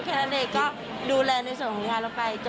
แค่นั้นเองก็ดูแลในส่วนของงานเราไป